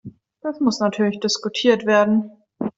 Das muss natürlich diskutiert werden.